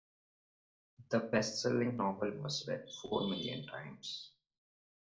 The bestselling novel was read four million times.